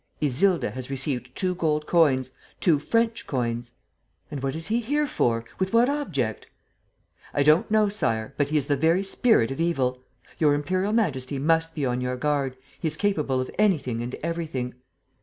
"Isilda has received two gold coins, two French coins!" "And what is he here for? With what object?" "I don't know, Sire, but he is the very spirit of evil. Your Imperial Majesty must be on your guard: he is capable of anything and everything."